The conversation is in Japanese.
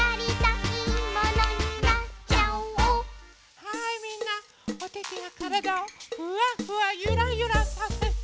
はいみんなおててやからだをふわふわゆらゆらさせて。